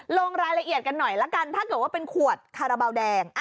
ลงรายละเอียดกันหน่อยละกันถ้าเกิดว่าเป็นขวดคาราบาลแดง